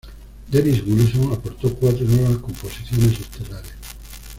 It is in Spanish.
Dennis Wilson aportó cuatro nuevas composiciones estelares.